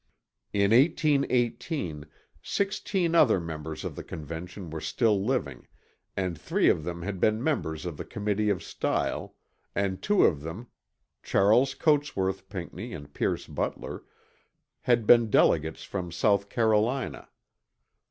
In 1818 sixteen other members of the Convention were still living, and three of them had been members of the Committee of Style, and two of them (Charles Cotesworth Pinckney and Pierce Butler), had been delegates from South Carolina.